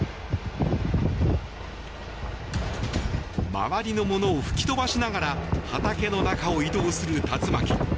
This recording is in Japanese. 周りのものを吹き飛ばしながら畑の中を移動する竜巻。